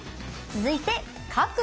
続いて角。